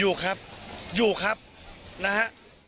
อยู่ครับอยู่ครับนะฮะ